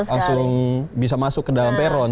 langsung bisa masuk ke dalam peron